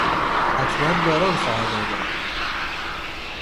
حتما باران خواهد آمد.